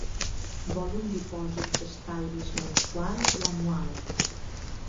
Vol un dipòsit d'estalvis mensual o anual?